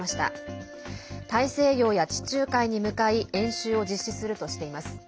大西洋や地中海に向かい演習を実施するとしています。